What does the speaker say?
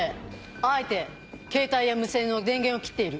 あえてケータイや無線の電源を切っている。